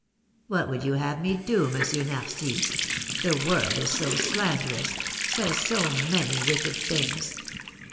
"What would you have me do, M. Narcisse? The world is so slanderous, says so many wicked things!